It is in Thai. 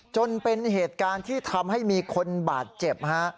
จนเป็นเหตุการณ์ที่ทำให้มีคนบาดเจ็บฮะ